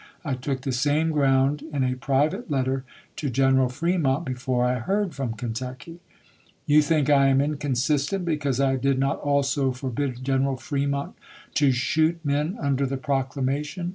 I took the same ground in a private letter to General Fremont before I heard from Kentucky. You think I am inconsistent because I did not also forbid General Fremont to shoot men under the proc MILITARY EMANCIPATION 423 lamation.